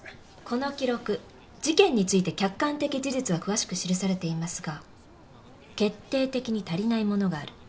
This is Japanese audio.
この記録事件について客観的事実は詳しく記されていますが決定的に足りないものがある。